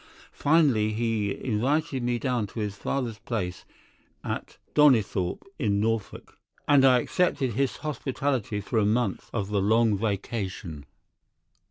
Finally, he invited me down to his father's place at Donnithorpe, in Norfolk, and I accepted his hospitality for a month of the long vacation.